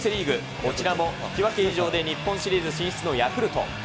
こちらも引き分け以上で日本シリーズ進出のヤクルト。